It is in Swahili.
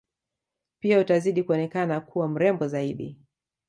Pia utazidi kuonekana kuwa mrembo zaidi